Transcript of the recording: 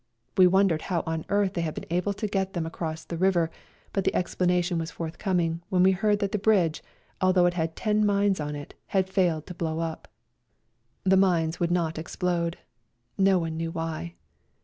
We wondered how on earth they had been able to get them across the river, but the explanation was forthcoming when we heard that the bridge, although it had ten mines in it, had failed to blow up— the mines would not A RIDE TO KALABAC 69 explode ; no one knew why.